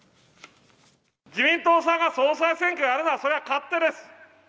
自民党さんが総裁選挙をやるのはそれは勝手です。